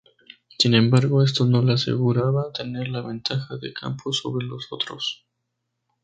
Sin embargo esto no le aseguraba tener la ventaja de campo sobre los otros.